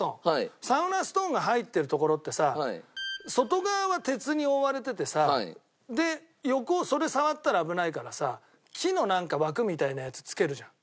サウナストーンが入ってる所ってさ外側は鉄に覆われててさで横それ触ったら危ないからさ木のなんか枠みたいなやつつけるじゃん。